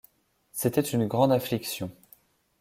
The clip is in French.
C’était une grande affliction.